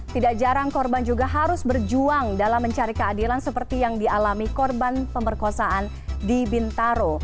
tidak jarang korban juga harus berjuang dalam mencari keadilan seperti yang dialami korban pemerkosaan di bintaro